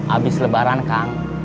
abis lebaran kang